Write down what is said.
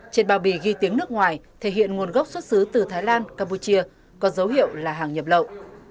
trên bào bì ghi tiếng nước ngoài thể hiện nguồn gốc xuất xứ từ thái lan campuchia có dấu hiệu là hàng nhập lậu